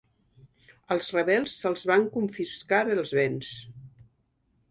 Als rebels se'ls van confiscar els béns.